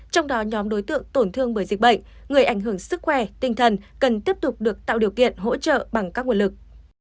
trong đó nhóm đối tượng tổn thương bởi dịch bệnh người ảnh hưởng sức khỏe tinh thần cần tiếp tục được tạo điều kiện hỗ trợ bằng các nguồn lực